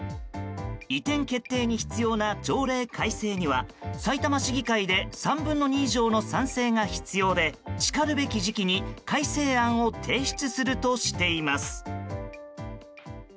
移転決定に必要な条例改正にはさいたま市議会で３分の２以上の賛成が必要でしかるべき時期に改正案を提出するとしています。